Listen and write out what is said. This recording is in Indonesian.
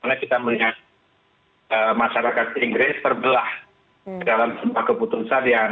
karena kita melihat masyarakat inggris terbelah dalam semua keputusan yang